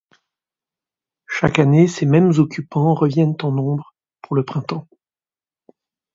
Chaque année, ces mêmes occupants reviennent en nombre pour le printemps.